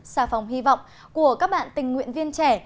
xà phòng hy vọng của các bạn tình nguyện viên trẻ